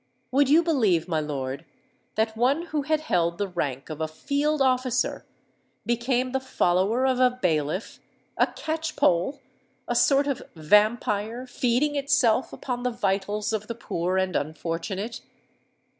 Would you believe, my lord, that one who had held the rank of a Field Officer became the follower of a bailiff—a catchpole—a sort of vampire feeding itself upon the vitals of the poor and unfortunate?